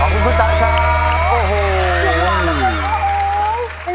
อุบันติเหตุหัวหัวใจหุกรณีรักกันบ่มีส่องเอง